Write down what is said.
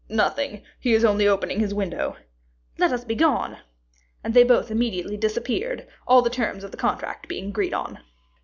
"Nothing; he is only opening his window." "Let us be gone." And they both immediately disappeared, all the terms of the contract being agreed on.